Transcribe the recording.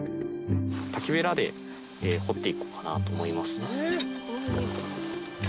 竹ベラで掘って行こうかなと思います。